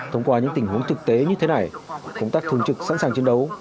thông qua những tình huống thực tế như thế này công tác thường trực sẵn sàng chiến đấu